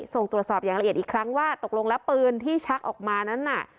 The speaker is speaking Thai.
ส่งตรวจสอบอย่างละเอียดอีกครั้งว่าตกลงแล้วปืนที่ชักออกมานั้นน่ะ